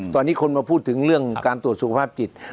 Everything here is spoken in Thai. ตอนนี้คนมาพูดถึงเรื่องการตรวจสุขภาพจิต